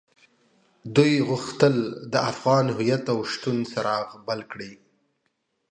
دوی غوښتل د افغان هويت او شتون څراغ بل کړي.